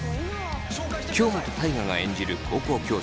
京本大我が演じる高校教師